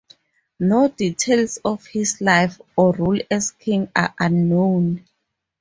No details of his life, or rule as king, are known.